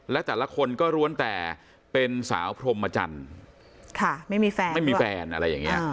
และแต่ละคนก็ล้วนแต่เป็นสาวพรมจันทร์ไม่มีแฟนไม่มีแฟนอะไรอย่างนี้